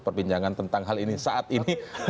perbincangan tentang hal ini saat ini